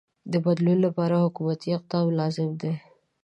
د بدلون لپاره حکومتی اقدام لازم دی.